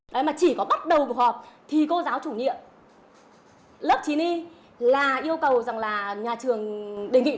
đấy mà chỉ có bắt đầu cuộc họp thì cô giáo chủ nhiệm lớp chín y là yêu cầu rằng là nhà trường đề nghị